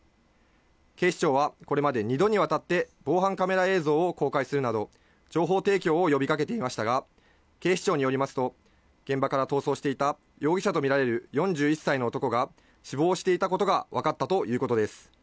警視庁はこれまで２度にわたって防犯カメラ映像を公開するなど、情報提供を呼びかけていましたが、警視庁によりますと、現場から逃走していた容疑者とみられる４１歳の男が死亡していたことがわかったということです。